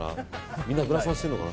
みんなグラサンしてるのかな。